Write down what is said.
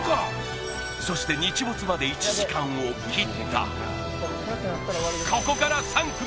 そして日没まで１時間を切ったここから３組